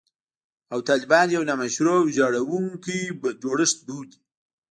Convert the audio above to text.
او طالبان یو «نامشروع او ویجاړوونکی جوړښت» بولي